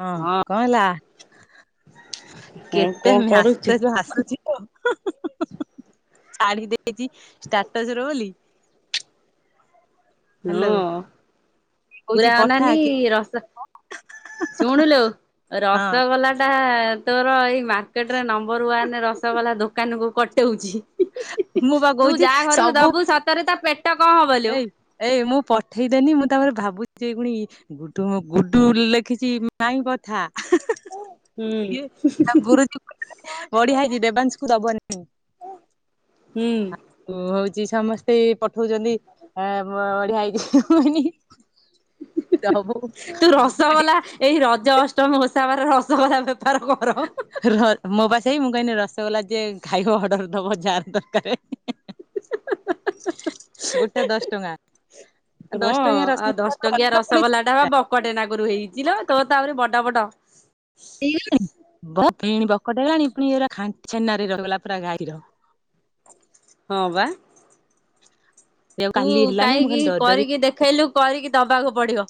ହଁ କଣ ହେଲା। ଆଉ କେତେ କଣ କରୁଛୁ? ମ୍ୟାସ୍ତେଜ ଆସୁଛି ତ [inaudible] ଛାଡି ଦେଇଛି ଷ୍ଟାଟସ ର ବୋଲି ହ୍ୟାଲୋ ହଁ କହୁଛି ପୁରୁରା ପଠା ଅନାନି କି ରସ ଶୁଣିଲୁ ହଁ ରସଗୋଲା ଟା ତୋର ଏଇ ମାର୍କେଟରେ ନମ୍ବର ୱାନ ରସଗୋଲା ଦୋକାନ କୁ କଟଉଛି ମୁଁ ବା ତୁ କହୁଛି ଯାହା ଘରକୁ ସବୁ ଦବୁ ସତରେ ତା ପେଟ କଣ ହବ ଲୋ। ଏଇ ଏଇ ମୁଁ ପଠେଇଦେନି ମୁଁ ତାପରେ ଭାବୁଛି ଏଇ ପୁଣି ଗୁଡୁ ଗୁଡୁ ଲେଖିଛି ମାଇଁ କଥା ହୁଁ ଗରୁ ଚ ବଢିଆାଇ ଯ ଦେବାଞ୍ଚୁକୁ ଦେବନି ହୁଁ ମୁଁ ହଉଛି ସମସ୍ତେ [unintelligible] ହଁ ମୁ ବଡିିଆ ତୁ [unintelligible] ରସଗୋଲା ଏଇ ରଜ ଅଷ୍ଟମୀ ଓସାବାର ରସଗୋଲା ବେପାର କର। ମୋ ପା ସେଇ ମୁଁ କହନି ରସଗୋଲା ଯ ଖାଇବା ଅର୍ଡର ଦବ ଯାହାର ଦରକାର। [inaudible] ଗୋଟେ ଦଶ ଟଙ୍କା ହଁ ଦଶ ଟଙ୍କିଆ ଆଉ ଦଶ ରସଗୋଲା ଟକିଆ ଅଧିକ ପୁଣି ରସଗୋଲା ସେ ବା ବକଟେ ନାଗରୁ ହେଇଥିଲ ତୋ ତାହୁରି ବଡ ବଡ ହେଇଗଲାଣି [unintelligible] ହେଲାଣି ପୁଣି [unintelligible] ଛେନାରେ ରହିଗଲା ପୁରା ଗାଈର। ହଁ ବା। ସେଇଆକୁ ତୁ କାଲି ହେଲାନି ମୁଁ କାହିଁକି ଖାଲି ଡରି ଡରି କରିକି ଦେଖେଇଲୁ କରିକି ଦବାକୁ ପଡିବ।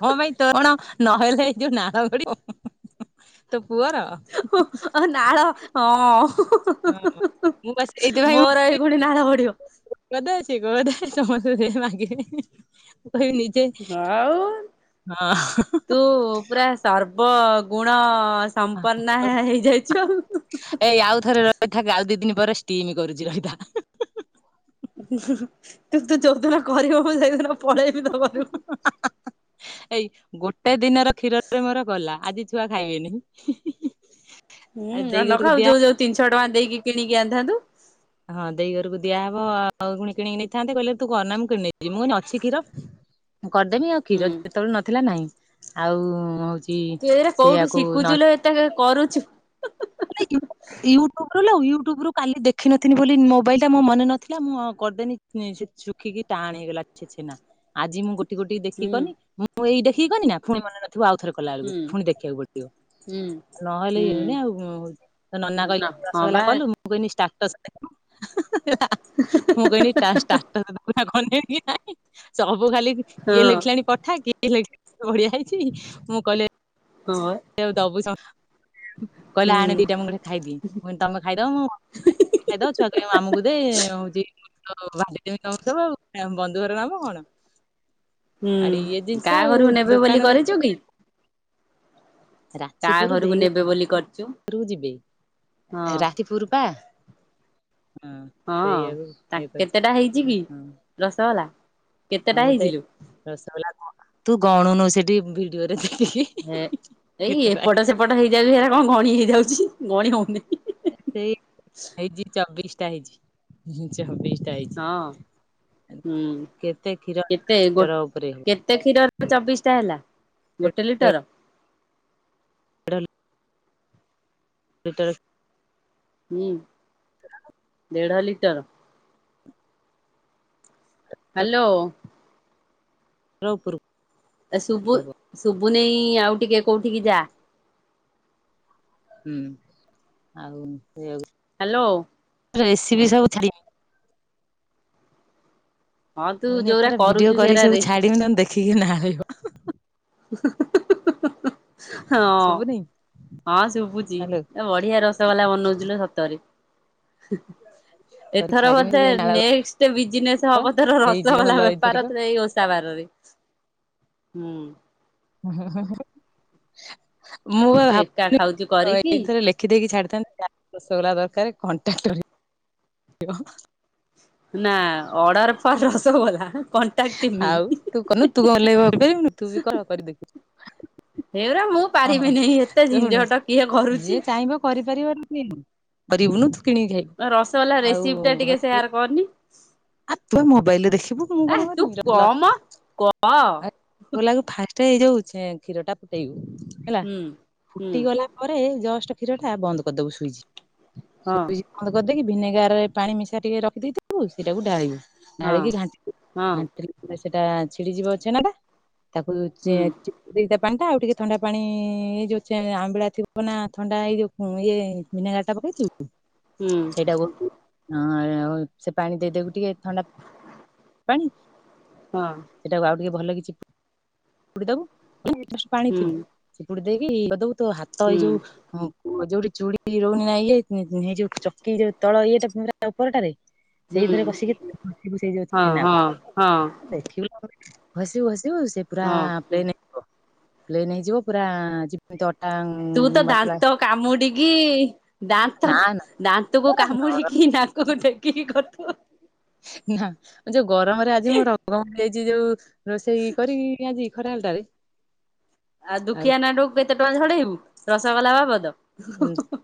କଣ ପାଇଁ ତୋ କଣ ନହେଲେ ଏ ଯୋଉ ନାଳ ଗୁଡିବ ତୋ ପୁଅର। ନାଳ ହଁ। ହଁ ମୁଁ ବା ସେଇଥିପାଇଁ ମୁଁ ମୋର ଏଇ ଭଳି ନାଳ ପଡିବ। [unintelligible] ଆଉ ହଁ ତୁ ପୁରା ସର୍ବଗୁଣ ସମ୍ପନ୍ନ ହେଇଯାଇଚୁ। ହେଇ ଏଇ ଆଉ ଥରେ ରହିଥାକ ଆଉ ଦିଇଦିନ ପରେ ଷ୍ଟିମ କରୁଛି ରହିଥା। ତୁ ତ ଯୋଉଦିନ କରିବ ମୁଁ ସେଇଦିନ ପଳେଇବି ତୋ ଘରକୁ। ଏଇ ଗୋଟେ ଦିନର କ୍ଷୀର [unintelligible] ମୋର ଗଲା ଆଜି ଛୁଆ ଖାଇବେନି। ହୁଁ ଆଜି ଆଉ ଦେଇ ଘରକୁ ନଖାଉ ଦିଆ ଯୋଉ ଯୋଉ ତିନିଶହ ଟଙ୍କା ଦେଇକି କିଣିକି ଆଣିଥାନ୍ତୁ। ହଁ ଦେଇ ଘରକୁ ଦିଆହବ ଆଉ କିଣି କିଣି ନେଇଥାନ୍ତେ କହିଲେ ତୁ କରନା ମୁଁ କିଣି ନେଇିବି ମୁଁ କହିଲି ଅଛି କ୍ଷୀର। ହ କରିଦେମି ଆଉ କ୍ଷୀର ଯେତେବେଳେ ନଥିଲା ନାହିଁ, ଆଉ ତୁ ଏରା କୋଉଠୁ ସେଇଆକୁ ଶିଖୁଛୁ ଏତେ ବପୁଚୁ। ୟୁଟୁବ ରୁ ୟୁଟୁବ ଲୋ କା ଇଉଟ୍ୟୁବ୍ [unintelligible] ରଖିନଥିଲି ବୋଲି ମୋବାଇଲଟା ମୋ ମନେ ନଥିଲା ମୁଁ କରିଦେନି ସେ ସୁଖିକି ଟାଣ ହେଇଗଲା। ଆଜି ମୁଁ ଗୋଟେ ଗୋଟେ ଦେଖି ହୁଁ କନି ମୁଁ ଏଇ ଦେଖିକି କନି ନା ପୁଣି ମନ [unintelligible] ଥିବ ଆଉଥରେ କଲା ବେଳକୁ ହୁଁ ପୁଣି ଦେଖିବାକୁ ପଡିବ। ହୁଁ ନହେଲେ [unintelligible] ହଉନି ହୁଁ। ଆଉ ନନା ନା କହିଲେ ହଁ ରସଗଲା ବା କଲୁ? ମୁଁ କହିନି ଷ୍ଟାଟସ୍ ଦେଖ ମୁଁ କହିଲି ଷ୍ଟା [unintelligible] [unintelligible] କି ନାଇଁ ସବୁ ଖାଲି ହଁ କିଏ ଲେଖିଲାଣି ପଠା କିଏ [unintelligible] ବଢିଆ ହେଇଛି ମୁଁ କଲେ ହଁ। ଦବୁ କହିଲା ହୁଁ ଆଣେ ଦିଟା ମୁଁ ଖାଇବି ତମେ ଖାଇଦବ ମୁଁ [unintelligible] ଛୁଆ କହିବେ ମାମୁଁ କୁ ଦେ [unintelligible] [unintelligible] ବନ୍ଧୁ ଘରେ [unintelligible] ହୁଁ କାହା ଆଉ ଘରକୁ ନେବେ ଦୋକାନ ବୋଲି କରିଛୁ ଜିନିଷ କି? କାହା ଘରକୁ ନେବେ ବୋଲି [unintelligible] କୁ ଯିବି ହଁ ରାତି ପୂରୁ ପା। ହଁ ସେଇଆକୁ ତା ଇଏ କରିଛି କେତେଟା ହେଇଛି କି ହଁ ରସଗୋଲା କେତେଟା ତମକୁ ତ ହେଇଚି? ରସଗୋଲା ତୁ ଗଣୁନୁ ସେଠି ଭିଡିଓ ରେ ଦେଖିକି। ହେ ଏଇ କେତେଟା ଏପଟ ହେଇଛି ସେପଟ ହେଇଯାଉଛି ହେରା କଣ ଗଣି ହେଇଯାଉଛି ଗଣ ହଉନି। ସେଇ ହେଇଛି ଚବିଶଟା ହେଇଛି ଚବିଶଟା ହଁ। ହେଇଛି। ହୁଁ କେତେ କ୍ଷୀର କେତେ ଗୋ ଲିଟର ଉପରେ କେତେ କ୍ଷୀର ଚବିଶ ଟା ହେଲା ହେବ ଗୋଟେ ଲିଟର? [unintelligible] [unintelligible] ହୁଁ, [inaudible] ଦେଢ଼ ଲିଟର, ହାଲୋ, ଡ୍ର ଉପୁରୁ, ଏ ଶୁବୁ, ଶୁଭୁନେଇ ଆଉ ଟିକେ କୋଉଠିକି ଯା। ହୁଁ, ଆଉ ସେଇଆଉ। ହାଲୋ, ରେସିପି ସବୁ ଛାଡି। ହଁ ତୁ ମୁୁଏଇନେ ଯୋଉରା ଏଥର ଭିଡିଓ କରୁଛୁ ସେରା କରିକି ସବୁ ରେସିପି ଛାଡିବି, ତେ ଦେଖିକି ନାଳେଇବ। ହଁ ଶୁଭୁନି ହଁ ଶୁଭୁଛି। ହ୍ୟାଲୋ ତ ବଢିଆ ରସଗୋଲା ବନଉଥିଲୁ ସତରେ। କରି ଏଥର ବୋଧେ ଛାଡିବି ନାଳ ନେକ୍ସଟ ବିଜନେସ ହବ ଏଥର ହେଇଯିବ ଭଲ ରସଗୋଲା ଏଇଥରିକ ବେପାର ତ ଏଇ ଓଷା ବାରରେ। ହୁଁ, ମୁଁ ଆଉ ତୁ ଏକା ଭାବି ଖାଉଛୁ କରିକି। ଏଇଥିରେ ଲେ ସେ ଦେଇକି ଛାଡ଼ିଥାନ୍ତା, ରଷଗୋଲା ଦରକାର କଣ୍ଟାକ୍ଟ। ନା order for rasgulla contact, me. ଆଉ ତୁ କଲୂ ତୁ ଭଲେଇଗି ତୁ ଭାବେ କଣ କରିଦେଖୁ। ହେଇରା ମୁଁ ପାରିବିନି ଏତେଝିଞ୍ଜଟ କିଏ କରୁଛି? କରିପାରିବନି କି କରିବୁନୁ ତୁ କିଣିକି ଖାଇବୁ। ରସଗୋଲା ରେସିପି ଟା ଆଉ ଘରେ, [unintelligible] ଆ ତୁ ମୋବାଇଲରେ ଦେଖିବୁ ମୁଁ ଆ କଣ ତୁ କର ନି। କମ [unintelligible] କ ଫାଷ୍ଟରେ ହେଇ ଯାଉଛି କ୍ଷୀର ଟା ଫୁଟେଇବୁ, ହେଲା ହୁଁ ହୁଁ ଫୁଟିଗଲା ପରେ ଜଷ୍ଟ କ୍ଷୀର ଟା ବନ୍ଦ କରିଦବୁ ସୁଇଚ ହଁ ସୁଇଚ ବନ୍ଦ କରିଦେଇକି, ଭିନେଗାର ରେ ପାଣି ମିଶା ଟିକେ ରଖିଦେଇଥିବୁ ସେଇଟାକୁ ଢାଳିବୁ। ହଁ ଢାଳିକି ଘାଣ୍ଟିଦବୁ ହଁ ଘାଣ୍ଟିଦେଲେ ସେଟା ଛିଡିଯିବ ଛେନାଟା। ତାକୁ, ଯେ ହୁଁ [unintelligible] ଦିଟା ପାଣି ଟା ଆଉ ଟିକେ ଥଣ୍ଡା ପାଣି--ଏ ଯୋଉ ଆମ୍ବିଳା ଥିବ ନା ଥଣ୍ଡା ଏଇ ଯୋଉ ଇଏ, ଭିନେଗାର ଟା ପକେଇଛୁ। ହୁଁ, [unintelligible] ସେ ପାଣି ଦେଇଦବୁ ଟିକେ ଥଣ୍ଡା ପାଣି। ହଁ, ସେଟାକୁ ଆଉ ଟିକେ ଭଲେଇ କି ଛି ଦବୁ ପାଣି ହୁଁ ଥିବ, ଚିପୁଡି ଦେଇକିଦବୁ ତୁ ହାତ ହୁଁ ଏଇ ଯୋଉ, ଯୋଉଠି ଚୁଡ଼ି ରହୁନି ନା ଇଏଇ ଏଯୋଉ ଚକି ଯୋଉ ତଳ ଇଏଟା ଉପରଟାରେ। ହୁଁ ସେଇଥରେ କସିକି ସେଇଯୋଉ ହଁ ଠେନାକୁ ହଁ ହଁ ଦେଖିବୁ। ହସିବୁ ହସିବୁ ସେ ପୁରା ହଁ ପ୍ଇନେ। ପ୍ପ୍ଲେଇନ ହେଇଯିବ ପୁରା ଯିତି ଅଟାଙ୍ଗ, ତୁ ତ ଦାନ୍ତ କାମୁଡିକି, ଦାନ୍ତ ନା ନା ଦାନ୍ତକୁ ପୁରା ନରମ କାମୁଡିକି ନାକକୁ ଡେକିକି କରଥୁ। ନା ଯୋଉ ଗରମରେ ଆଜି ମୁଁ ରଙ୍ଗ ମିଯାଇଛି ଯୋଉ, ରୋଷେଇ କରିକି ଆଜି ଖରା ହେଲଟାରେ। ଆଉ ଦୁଖିଆନାଟୁ କେତେ ଟଙ୍କା ଝଡେଇବୁ ରସଗୋଲା ବାବଦ,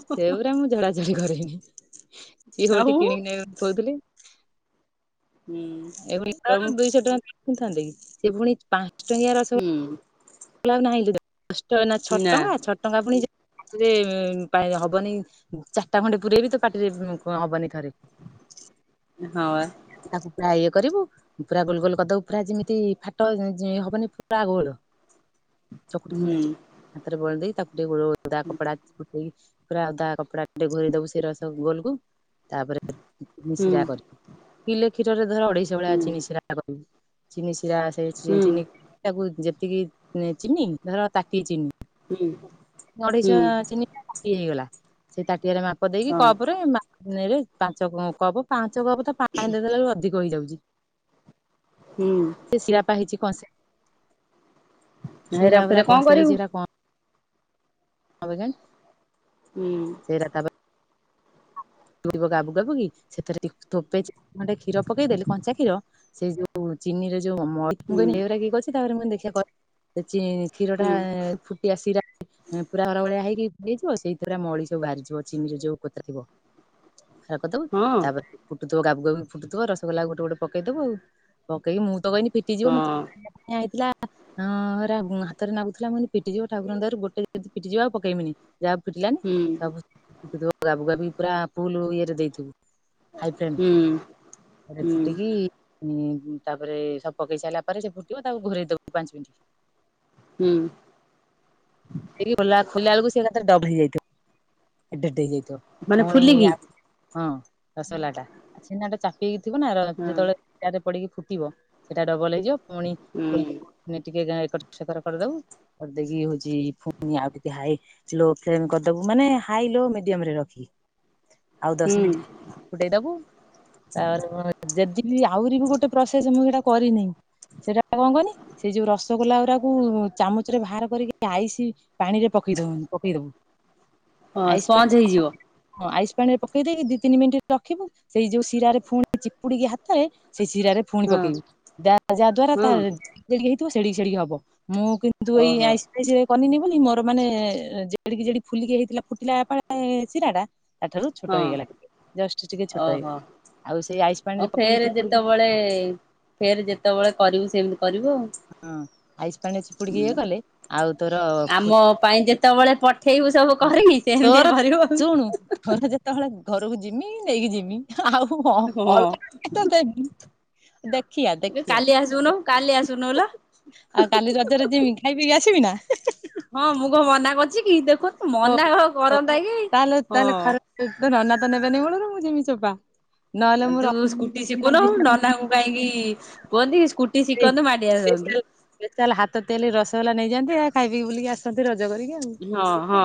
ସେଗୁରା ମୁଁ ଝଡାଝଡି କରେନି ସିଏ ଆଉ ଓଲଟି କିଣିକି ନେବେ ବୋଲି କହୁଥିଲେ। ହୁଁ ଏଭୁଣି ତ କବୁ ଦୁଇଶହ ଟଙ୍କାଖୁଥାନ୍ତେ କି ସେଭୁଣି ପାଞ୍ଚ ଟଙ୍କିଆ ର [unintelligible] ହୁଁ। ପାଞ୍ଚ ଟଙ୍କା ଆଉ ନାହିଁ କିଲୋ ଛଅ ନା ଟଙ୍କା ଛଅ ଟଙ୍କା ପୁଣି ପାରେ ହବନି ଚାରିଟା ଖଣ୍ଡେ ପୁରେଇଲେ ବି ତ ପାଟିରେ ହବନି ଥରେ। ହଁ ବା। ତାକୁ ପୁରା ଇଏ କରିବୁ ପୁରା ଗୋଲ ଗୋଲ କରିଦବୁ ପୁରା ଯେମିତି ଫାଟ ହବନି ପୁରା ଗୋଲ। ଚକୁଳି ହୁଁ। ହାତରେ ଗୋଲାନ୍ତି ତାକୁ ଟିକେ ଗୋଳେଇ ଗୋଳେଇ ହୁଁ କପଡା ଦେଇ ପୁରା ଓଦା କପଡା ଟିକେ ଗୋଡେଇ ଦବୁ ସେ ରା ଗୋଲ କୁ। ତାପରେ ହୁଁ ଶିରା କରିବୁ କିଲେ କ୍ଷୀରରେ ଧର ଅଢେଇଶ ଭଳିଆ ଚିନି ଶିରା ଚିନି ଶିରା ଆ ସେ ହୁଁ ଚିନି ତାକୁ ଯେତିକି ଚିନି ଧର ତାଟିଏ ଚିନି ହୁଁ। ନଢେଇଶ ହୁଁ ଚିନି ତାଟିଆଏ ହେଇଗଲା ସେଇ ତାଟିଆରେ ମାପ ଦେଇକି ହଁ କପରେ ନରେ ପାଞ୍ଚ କପ ପାଞ୍ଚ କପ୍ ତ ପାଣି ଦେଇଦେଲେ ଅଧିକ ହେଇଯାଉଛି। ହୁଁ। ସେ ଶିରା ପା ହେଇଛି କଂସେ ହେରା ଶିରା ଫେରେ ପୁରା କଣ କଂସେ କରିବୁ ହେଇଛି ହେରା କ ଆଗନ୍ [unintelligible] ହୁଁ। ସେରା ତା ପରେ ଫୁଟିବ ଗାବୁ ଗାବୁ କି ସେଥିରେ ଥୋପେ ଖଣ୍ଡେ କ୍ଷୀର ପକେଇଦେଲୁ କଞ୍ଚା କ୍ଷୀର ସେ ଯୋଉ ଚିନି ର ଯୋଉ ମ ମୁଁ ହୁଁ କହିଲି ଏଗୁରା କିଏ କରିଛି ତାପରେ ମୁଁ ଦେଖିବା କରିବି କ୍ଷୀର ଟା ହୁଁ ଆ ଶିରା ପୁରା ହର ଭଳିଆ ହେଇଯିବ ସେଇଥିରେ ମଳି ସବୁ ବାହାରିଯିବ ଚିନିରେ ଯୋଉ କରିଦବ ହଁ ହଁ। ତାପରେ ଫୁଟୁଥିବ ଗାବୁ ଗାବୁ କି ଫୁଟୁଥିବ ରସଗୋଲା ଗୋଟେ ଗୋଟ ପକେଇଦବୁ ଆଉ ପକେଇକି ମୁଁ ତ କହିନି ଫିଟିଯିବ ମତେ ହେଇଥିଲା। ହଁ ହାତ ରେ ନାଗୁଥିଲା ମୁଁ ପିଟିଯିବ ଠାକୁରଙ୍କ ଦୟାରୁ ଗୋଟେ ବି ଯଦି ପିଟିଯିବ ଆଉ ପକେଇବିନି ଯାହା ହଉ ପିଟିଲାନି। ହୁଁ। ଫୁଟୁଥିବ ଗାବୁ ଗାବୁ କି ପୁରା ଫୁଲ ଇଏରେ ଦେଇଥିବୁ। ହାଇ ହୁଁ ଫେମ ରେ ହୁଁ ଫୁଟିକି ତାପରେ ସବୁ ପକେଇ ସାରିଲା ପରେ ସେ ଫୁଟିବ ତାକୁ ଘରେଇ ଦବୁ ପାଞ୍ଚ ମିନିଟ। ହୁଁ। ଖୋଲା ଖୋଲିଲା ବେଳକୁ ସେ ଏକାଥରେ ଡବଲ ହେଇଯାଇଥିବ। ଏଡ଼େ ଏଡ଼େ ହେଇ ଯାଇଥିବ ମାନେ ପୁଣି ଫୁଲିକି ହଁ ରସଗୋଲା ଟା ଛେନାଟା ଚା କି ଥିବ ନା ହଁ ଯେତେବେଳେ ଶିରା ପଡିକି ଫୁଟିବ ସେଇଟା ଡବଲ ହେଇଯିବ ପୁଣି ହୁଁ ଖୋ ଟିକେ ଏକର ସେକର କରିଦବୁ କରିଦେଇକି ହଉଛି ପୁଣି ଆଉ ଟିକେ ହାଇ ଲୋ ଫେମ କରିଦବୁ ମାନେ ହାଇ ଲୋ ମିଡିୟମ ରେ ରଖି ଆଉ ଦଶ ହୁଁ। ମିନିଟ ଫୁଟେଇ ଦବୁ। ତାପରେ ଯଦିି ଆହୁରି ବି ଗୋଟେ ପ୍ରୋସେସ ମୁଁ ସେଇଟା କରିନି ସେଟା କଣ କହନି? ସେଇ ଯୋଉ ରସଗୋଲା ଗୁଡାକୁ ଚାମଚ ରେ ବାହାର କରିକି ଆଇସି ପାଣିରେ ପକେଇଦବୁନି ପକେଇଦବୁ ହଁ ଆଇସ ସ୍ପଞ୍ଜ ହେଇଯିବ। ହଁ ଆଇସ ପାଣି ରେ ପକେଇ ଦେଇକି ଦି ତିନି ମିନିଟ ରଖିବୁ ସେଇ ଯୋଉ ଶିରାରେ ପୁଣି ଚିପୁଡିକି ହାତରେ ସେ ଶିରାରେ ପୁଣି ହଁ ପକେଇବୁ ଯାହା ଦ୍ଵାରା ହଁ ଯେଡ଼ିକି ହେଇଥିବ ସେଡିକି ସେଡିକି ହବ ମୁଁ କି ମୁଁ ଏଇ ଓହୋ ଆଇସ ଫାଇସ କରିନି ବୋଲି ମୋର ମାନେ ଯେଡିକି ଯେଡ଼ିକି ଫୁଲିକି ହେଇଥିଲା ଫୁଟିଲା ପୁଣି ଶିରା ଟା ତା ଠାରୁ ଛୋଟ ହଁ ହେଇଗଲା ଟିକେ ଜଷ୍ଟ ଟିକେ ଛୋଟ ଓହୋ ହେଇଗଲା ଆଉ ସେଇ ଆଇସ ପାଣି ରେ ପକେଇକି ଚିପୁଡ଼ିକି ସବୁବେଳେ ଯେତେବେଳେ ଫେରେ ଯେତେବେଳେ କରିବୁ ସେମିତି କରିବୁ ଆଉ। ହଁ ଆଇସ ପାଣି ଚିପୁଡିକି ଇଏ କଲେ ଆଉ ତୋର ଆମ ପାଇଁ ଯେତେବେଳେ ପଠେଇବୁ ସବୁ କରିକି ସେମିତିଆ କରିବୁ ଆ ଘର ଯେତେବେଳେ ଘରକୁ ଯିମି ନେଇକି ଜିମି ଆଉ ଅଲଗା ହଁ କେତ ଦେବି। ଦେଖିଆ। ଏ କାଲି ଆସୁନ କାଲି ଆସୁନୁ ଲୋ ଆଉ କାଲି ରଜରେ ଯିମି ଖାଇ ପିଇକି ଆସିବି ନା। ହଁ ମୁଁ କଣ ମନା କରୁଛି କି ଦେଖନ୍ତୁ ହଉ ମନା କ ହଉ କରନ୍ତା କି। ତାହେଲେ ତାହେଲେ ହଁ ଖରାପ ତୋ ନନା ତ ନେବେନି ମୁଳରୁ ମୁଁ ଜିମି ଚୋପା। ନହେଲେ ଆ ମୁଁ ତୁ ସ୍କୁଟି ଶିଖୁନୁ ନନାଙ୍କୁ କାହିଁକି? କୁହନ୍ତି କି ସ୍କୁଟି ଶିଖନ୍ତୁ ମାଡି ଆସନ୍ତୁ। ଯେତେହେଲେ ହାତ ତେଲି ରସଗୋଲା ନେଇଯାନ୍ତି ଖାଇ ପିଇକି ବୁଲିକ ଆସନ୍ତି ରଜ କରିକି ଆଉ। ହଁ ହଁ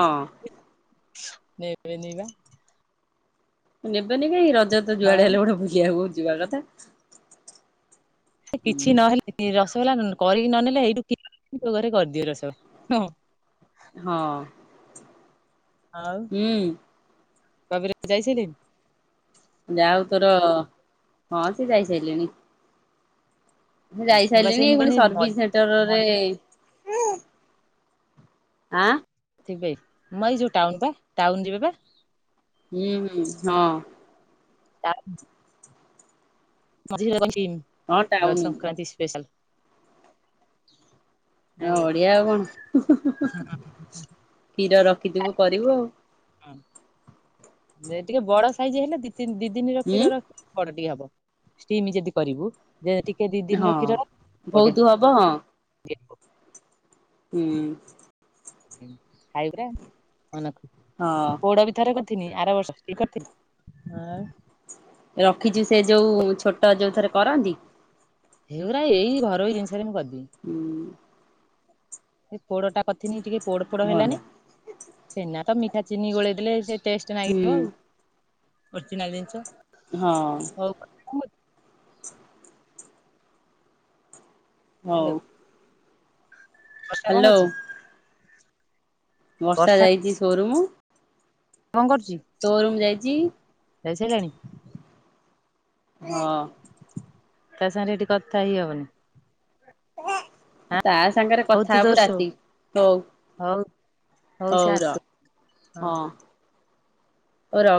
ନେବେନି ବା - ନେବନି କାଇଁ ରଜ ତ ଯୁଆଡେ ଆଉ ହେଲେ ଗୋଟେ ବୁଲିବାକୁ ଯିବା କଥା। କିଛି ହୁଁ ନହେଲେ ରସଗୋଲା କରିକି ନ ନେଲେ ଏଇଠୁ କିଣି ଘରେ କରିଦିଅ ରସ ହଁ। ହଁ ଆଉ ହୁଁ [unintelligible] ଯାଇସାଇଲେଣି। ଯାହା ହଉ ତୋର ହଁ ସିଏ ଯାଇ ସାରିଲେଣି। ମୁଁ ଯାଇ ବା ସେଇ ସାଇଲିଣି ମୁଁ ପୁଣି କହିଲି ସର୍ଭିସ ମଝି ସେଣ୍ଟରରେ [unintelligible] ଆଁ ଥିବେ ମୁଁ ଏଇ ଯୋଉ ଟାଉନ ବା ଟାଉନ ଯିବେ ବା। ହୁଁ ହୁଁ ହଁ। ତା ମଝିରେ ଅଛି ହଁ ଟାଉନ ସଂକ୍ରାନ୍ତି ସ୍ପେଶାଲ। ହ ଜାଣିଲୁ ବଢିଆ ଆଉ କଣ କ୍ଷୀର ରଖିଥିବୁ କରିବୁ ଆଉ। ହଁ ଟିକେ ବଡ ସାଇଜ୍ ହେଲେ ଦି ଦି ଦିନି ଉଁ କ୍ଷୀର ରଖେ ବଡ ଟିକେ ହବ ଷ୍ଟିମ୍ ଯଦି କରିବୁ ଯେ ଟିକେ ଦି ଦିନ ର ଖିର ବହୁତୁ ହବ। [unintelligible] ହୁଁ। ଖାଇ ପୁର ମନେ ହଁ। ପୋଡ ବି ଥରେ କରିଥିଲି ଆର ବର୍ଷକ କରିଥିଲି। ରଖିଛି ସେ ଯୋଉ ଛୋଟ ଯୋଉ ଥରେ କରନ୍ତି। ହେଇଉର ଏଇ ଘରୋଇ ଜିନିଷରେ ମୁଁ କରିଦବି। ହୁଁ ପୋଡ ଟା କଥିନି ଟିକେ ପୋଡ ପୋଡ ଭଲ ହେଲାନି ଛେନା ତ ମିଠା ଚିନି ଗୋଳେଇଦେଲେ ସେ ଟେଷ୍ଟ ହୁଁ ନାଗି [unintelligible] ଜିନିଷ ହଁ ହଉ ହଉ ହ୍ୟାଲୋ ବର୍ଷା କଣ ହ୍ୟାଲୋ କରୁଛି। ବର୍ଷା ଯାଇଛି ସୋରୁମ୍। କଣ କରୁଛି? ତୋରୁମ୍ ଯାଇଛି। ଯାଇ ସାଇଲାନି? ହଁ। ତା ସାଙ୍ଗରେ ଏଠି କଥା ହେଇ ହବନି। ଆଁ ତା ସାଙ୍ଗରେ ହଉ ତୁ କଥା ତୋର ହବୁ ଶୋ ରାତି ହଉ ହଉ ସେ ହଉ ର ଆସୁ ହଁ ଓ ର